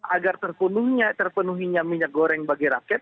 agar terpenuhinya minyak goreng bagi rakyat